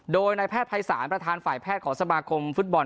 โดยในแพทย์ภัยศาลประธานฝ่ายแพทย์ของสมาคมฟุตบอล